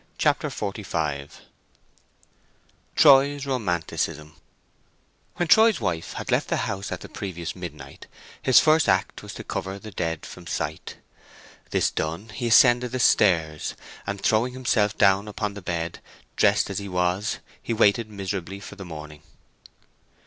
CHAPTER XLV TROY'S ROMANTICISM When Troy's wife had left the house at the previous midnight his first act was to cover the dead from sight. This done he ascended the stairs, and throwing himself down upon the bed dressed as he was, he waited miserably for the morning.